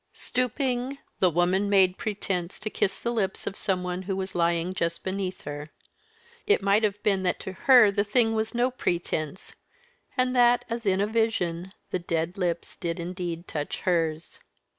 Stooping, the woman made pretence to kiss the lips of some one who was lying just beneath her. It might have been that to her the thing was no pretence, and that, as in a vision, the dead lips did indeed touch hers.